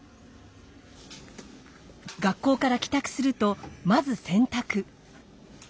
学校から帰宅するとまず洗濯。